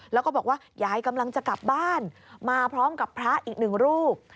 แล้วก็บอกว่ายายกำลังจะกลับบ้านมาพร้อมกับพระอีกหนึ่งรูป